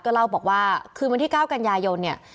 ก็เล่าบอกว่าคือวันที่เก้ากันยายยนต์เนี่ย